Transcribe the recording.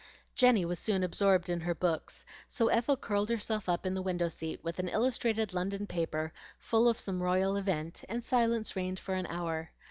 Jenny was soon absorbed in her books; so Ethel curled herself up in the window seat with an illustrated London paper full of some royal event, and silence reigned for an hour.